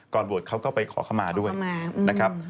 ก่อนบวชเขาก็ไปขอคำมาด้วยนะครับ